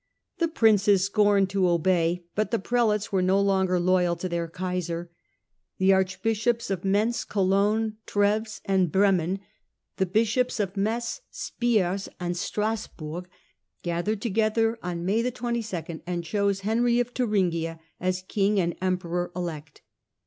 The Princes scorned to obey, but the Prelates were no longer loyal to their Kaiser. The Archbishops of Mentz, Cologne, Treves and Bremen, the Bishops of Metz, Spiers and Strasburg, gathered together on May the 22nd, and chose Henry of Thuringia as King and Emperor elect.